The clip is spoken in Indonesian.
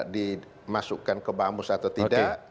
dimasukkan ke bamus atau tidak